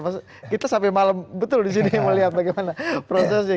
mas kita sampai malam betul disini mau lihat bagaimana prosesnya